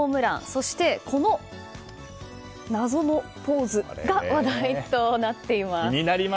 そして、この謎のポーズが話題となっています。